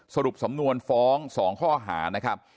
สรุปสำนวนฟ้อง๒ข้อหานะครับ